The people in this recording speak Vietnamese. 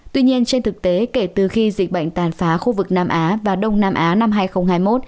tuy nhiên trên thực tế kể từ khi dịch bệnh tàn phá khu vực nam á và đông nam á năm hai nghìn hai mươi một